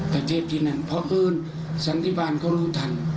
แต่เทพที่นั่นพออื่นสันติบาลก็รู้ทัน